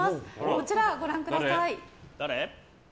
こちら、ご覧ください。